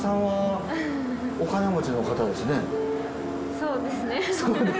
そうですね。